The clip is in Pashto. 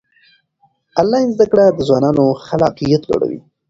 آنلاین زده کړه د ځوانانو خلاقیت لوړوي.